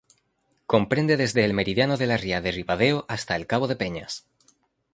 Comprende desde el meridiano de la Ría de Ribadeo hasta el Cabo de Peñas.